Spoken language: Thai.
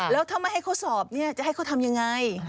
แล้วถ้าไม่ให้เขาสอบเนี่ยจะให้เขาทำยังไง